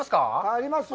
ありますよ。